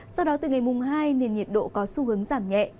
sau đó từ ngày mùng hai nền nhiệt độ có xu hướng giảm nhẹ